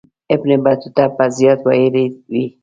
ابن بطوطه به زیات ویلي وي.